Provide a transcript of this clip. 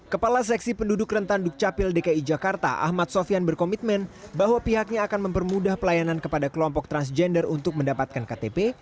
kepala seksi penduduk rentan dukcapil dki jakarta ahmad sofian berkomitmen bahwa pihaknya akan mempermudah pelayanan kepada kelompok transgender untuk mendapatkan ktp